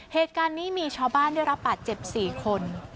เหตุการณ์นี้มีชาวบ้านได้รับบาดเจ็บ๔คน